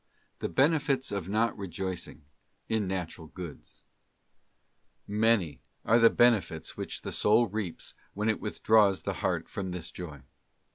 The benefits of not rejoicing in Natural Goods, Many are the benefits which the soul reaps when it withdraws the heart from this joy.